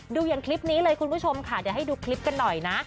อย่างคลิปนี้เลยคุณผู้ชมค่ะเดี๋ยวให้ดูคลิปกันหน่อยนะ